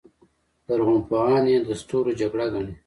لرغونپوهان یې د ستورو جګړه ګڼي.